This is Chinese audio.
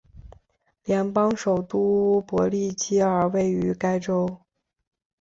联邦首都帕利基尔位于该州。